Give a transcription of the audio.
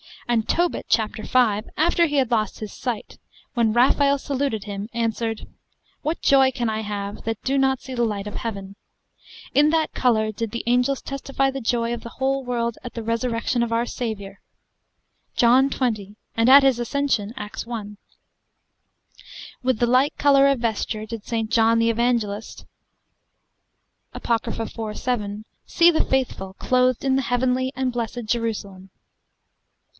And Tobit, chap.5, after he had lost his sight, when Raphael saluted him, answered, What joy can I have, that do not see the light of Heaven? In that colour did the angels testify the joy of the whole world at the resurrection of our Saviour, John 20, and at his ascension, Acts 1. With the like colour of vesture did St. John the Evangelist, Apoc. 4.7, see the faithful clothed in the heavenly and blessed Jerusalem.